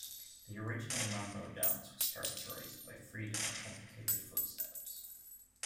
The original mambo dance was characterized by freedom and complicated foot-steps.